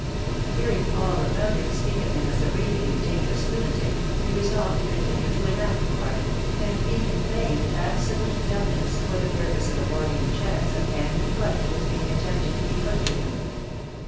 Hearing all about him speak of him as a raving and dangerous lunatic, he resolved to continue to enact the part, and even feigned absolute dumbness for the purpose of avoiding the chance of any questions being attempted to be put to him.